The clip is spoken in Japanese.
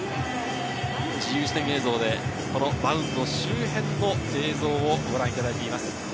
自由視点映像でマウンド周辺の映像をご覧いただいています。